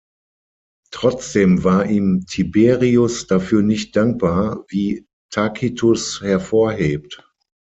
Trotzdem war ihm Tiberius dafür nicht dankbar, wie Tacitus hervorhebt.